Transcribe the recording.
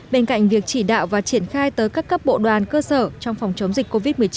bên cạnh việc chỉ đạo và triển khai tới các cấp bộ đoàn cơ sở trong phòng chống dịch covid một mươi chín